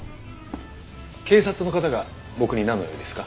警察の方が僕に何の用ですか？